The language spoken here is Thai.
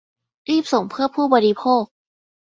รีบส่งเพื่อผู้บริโภค